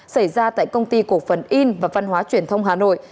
xảy ra tại công ty cổ phần in và văn hóa truyền thông hà nội